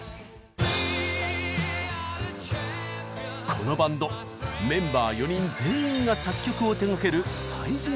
このバンドメンバー４人全員が作曲を手がける才人ぞろい。